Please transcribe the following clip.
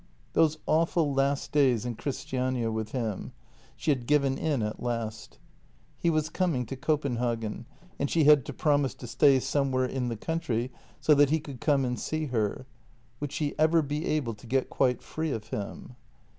Those awful last days in Christiania with him. She had given in at last. He was coming to Copenhagen, and she had to promise to stay somewhere in the country so that he could come and see her. Would she ever be able to get quite free of him?